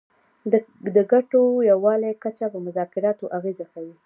د ګټو د یووالي کچه په مذاکراتو اغیزه کوي